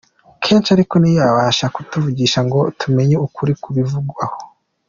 kenshi ariko ntiyabasha kutuvugisha ngo tumenye ukuri ku bimuvugwaho.